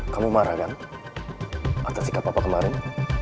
kamu marah kan atas sikap apa kemarin